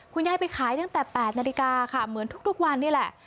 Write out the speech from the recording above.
ยายไปขายตั้งแต่๘นาฬิกาค่ะเหมือนทุกวันนี้แหละ